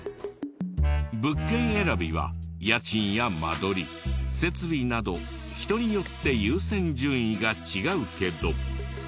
物件選びは家賃や間取り設備など人によって優先順位が違うけど。